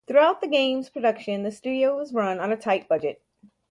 Throughout the game's production, the studio was run on a tight budget.